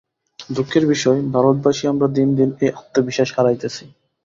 দুঃখের বিষয়, ভারতবাসী আমরা দিন দিন এই আত্মবিশ্বাস হারাইতেছি।